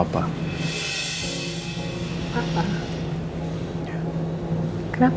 aku pengen tanya soal papa